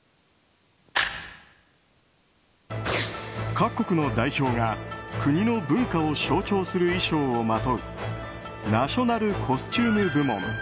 各国の代表が国の文化を象徴する衣装をまとうナショナル・コスチューム部門。